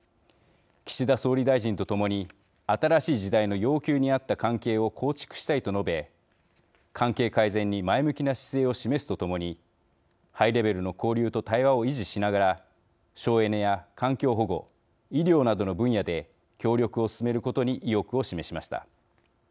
岸田総理大臣と共に新しい時代の要求にあった関係を構築したい」と述べ関係改善に前向きな姿勢を示すと共にハイレベルの交流と対話を維持しながら省エネや環境保護医療などの分野で協力を進めることに意欲を示しました。